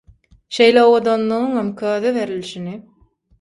Şeýle owadanlygyňam köze berilşini.